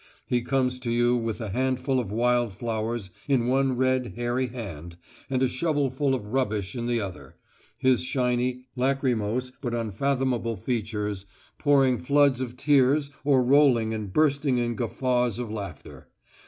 He comes to you with a handful of wild flowers in one red, hairy hand and a shovelful of rubbish in the other his shiny, lachrymose but unfathomable features pouring floods of tears or rolling and bursting in guffaws of laughter.